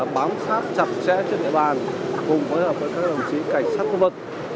bám sát chặt chẽ trên địa bàn cùng với các đồng chí cảnh sát khu vực